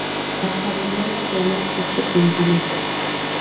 დაფარულია მთლიანად თეთრი ბუმბულით.